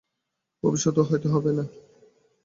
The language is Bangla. ভবিষ্যতেও হয়তো হবেন।